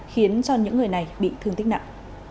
khiến cho những người này bị thương tích nặng